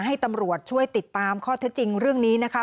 ให้ตำรวจช่วยติดตามข้อเท็จจริงเรื่องนี้นะคะ